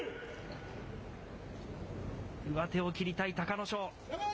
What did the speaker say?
上手を切りたい隆の勝。